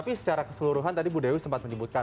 tapi secara keseluruhan tadi bu dewi sempat menyebutkan